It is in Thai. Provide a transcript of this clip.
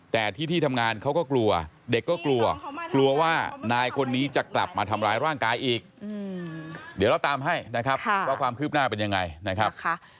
แต่ที่ที่ทำงานเขาก็กลัวเด็กก็กลัวกลัวว่านายคนนี้จะกลับมาทำร้ายร่างกายอีกเดี๋ยวเราตามให้นะครับว่าความคืบหน้าเป็นยังไงนะครับ